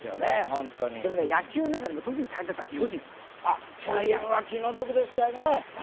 ホントにでもね野球の中でも特に大変だったの巨人ジャイアンツ巨人は気の毒でしたよね